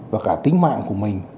và cả tính mạng của mình